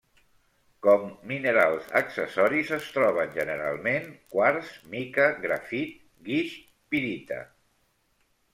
Com minerals accessoris, es troben generalment quars, mica, grafit, guix, pirita.